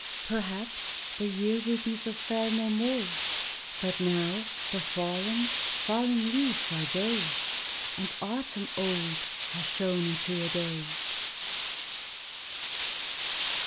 Perhaps the year will be so fair no more, But now the fallen, falling leaves are gay, And autumn old has shone into a Day!